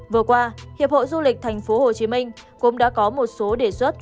vừa qua hiệp hội du lịch tp hcm cũng đã có một số đề xuất